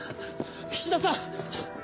菱田さん！